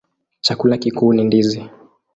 Chakula kikuu ni ndizi.